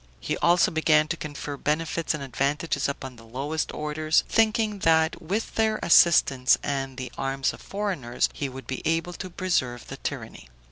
He also began to confer benefits and advantages upon the lowest orders, thinking that with their assistance, and the arms of foreigners, he would be able to preserve the tyranny.